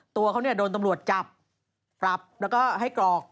ตัวเขาเนี่ยโดนตำรวจจับปรับแล้วก็ให้กรอก